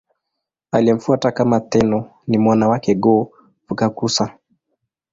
Aliyemfuata kama Tenno ni mwana wake Go-Fukakusa.